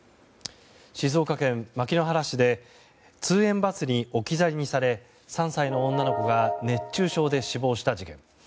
静岡県牧之原市で通園バスに置き去りにされ３歳の女の子が熱中症で死亡した事件。